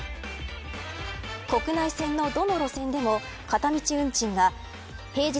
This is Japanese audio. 国内線のどの路線でも片道運賃が平日